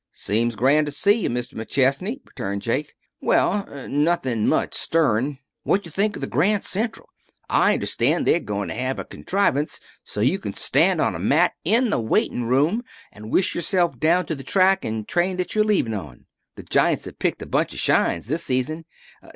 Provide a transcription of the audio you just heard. "Seems grand t' see you, Mis' McChesney," returned Jake. "Well, nothin' much stirrin'. Whatcha think of the Grand Central? I understand they're going to have a contrivance so you can stand on a mat in the waiting room and wish yourself down to the track an' train that you're leavin' on. The G'ints have picked a bunch of shines this season.